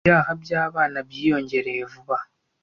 Ibyaha byabana byiyongereye vuba aha.